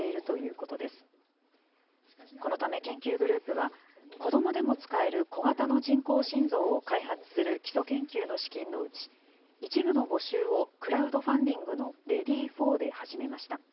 このため、研究グループは子どもでも使える小型の人工心臓を開発する基礎研究の資金のうち、一部の募集をクラウドファンディングのＲＥＡＤＹＦＯＲで始めました。